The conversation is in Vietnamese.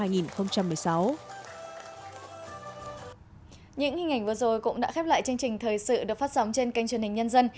những hình ảnh vừa rồi cũng đã khép lại chương trình thời sự được phát sóng trên kênh truyền hình nhân dân